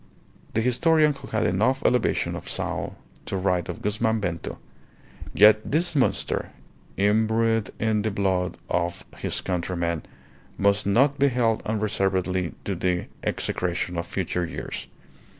The historian who had enough elevation of soul to write of Guzman Bento: "Yet this monster, imbrued in the blood of his countrymen, must not be held unreservedly to the execration of future years.